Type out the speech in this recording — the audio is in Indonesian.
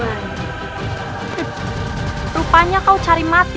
harus menjadi senopati